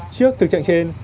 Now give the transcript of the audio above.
trước thực trạng trên